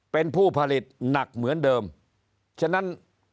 เป็นผู้ผลิตหนักเหมือนเดิมฉะนั้น